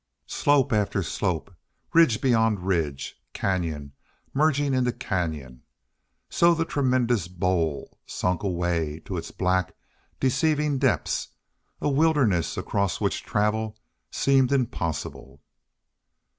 Slope after slope, ridge beyond ridge, canyon merging into canyon so the tremendous bowl sunk away to its black, deceiving depths, a wilderness across which travel seemed impossible.